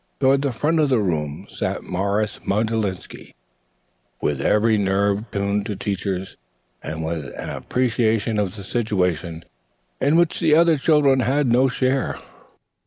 Toward the front of the room sat Morris Mogilewsky, with every nerve tuned to Teacher's, and with an appreciation of the situation in which the other children had no share.